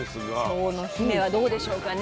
今日の姫はどうでしょうかね。